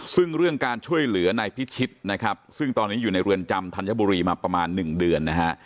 ซึ่งเรื่องการช่วยเหลือนายพิชิตนะครับซึ่งตอนนี้อยู่ในเรือนจำธัญบุรีมาประมาณ๑เดือนนะฮะ